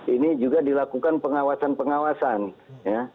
ini juga dilakukan pengawasan pengawasan ya